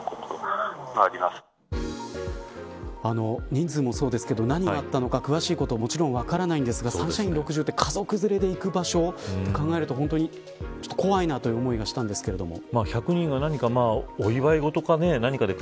人数もそうですけど何があったのか詳しいことももちろん分からないんですがサンシャイン６０って家族連れで行く場所と考えると本当に怖いなと思ったんですけれども。